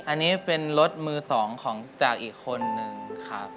อันนี้เป็นรถมือ๒ของจากอีกคนนึงครับ